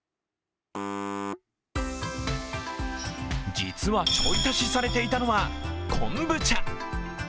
実は、ちょい足しされていたのは昆布茶。